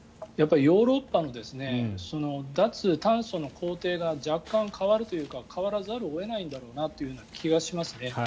ヨーロッパの脱炭素の工程が若干変わるというか変わらざるを得ないんだなというような気がします。